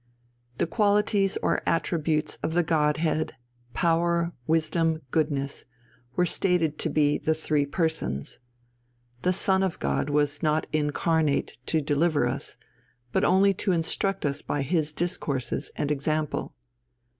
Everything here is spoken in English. The qualities or attributes of the Godhead, power, wisdom, goodness, were stated to be the three Persons. The Son of God was not incarnate to deliver us, but only to instruct us by His discourses and example.